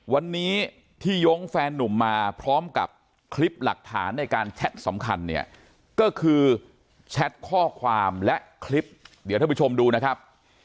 วันนี้ที่ย้งแฟนนุ่มมาพร้อมกับคลิปหลักฐานในการแชทสำคัญเนี่ยก็คือแชทข้อความและคลิปเดี๋ยวท่านผู้ชมดูนะครับ